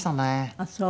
あっそう。